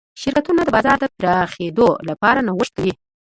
شرکتونه د بازار د پراخېدو لپاره نوښت کوي.